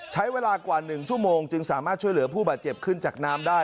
ใช้เวลากว่า๑ชั่วโมงจึงสามารถช่วยเหลือผู้บาดเจ็บขึ้นจากน้ำได้